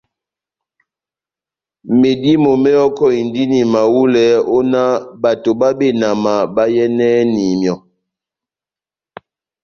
Medímo mehɔkɔhindini mahulɛ ó nah bato bá benama bayɛ́nɛni myɔ́.